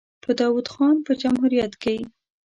په داوود خان په جمهوریت کې.